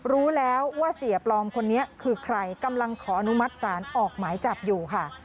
รู้แล้วว่าเสียปลอมคนนี้คือใครกำลังขออนุมัติศาลออกหมายจับอยู่ค่ะ